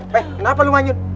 peh kenapa lu nganyut